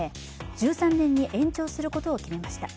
１３年に延長することを決めました。